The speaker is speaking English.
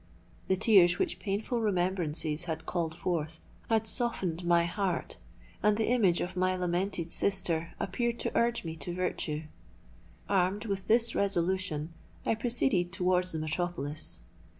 The tears which painful remembrances had called forth, had softened my heart; and the image of my lamented sister appeared to urge me to virtue. Armed with this resolution, I proceeded towards the metropolis.